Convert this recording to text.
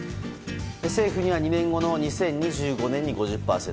政府には２年後の２０２５年に５０％